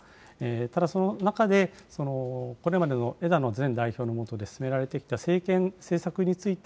ただその中で、これまでの枝野前代表の下で進められてきた政見、政策について、